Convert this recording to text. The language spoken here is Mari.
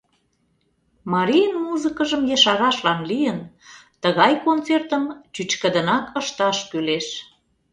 Марийын музыкыжым ешарашлан лийын, тыгай концертым чӱчкыдынак ышташ кӱлеш.